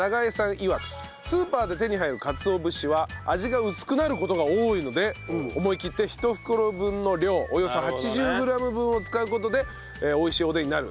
いわくスーパーで手に入るかつお節は味が薄くなる事が多いので思いきって１袋分の量およそ８０グラム分を使う事で美味しいおでんになる。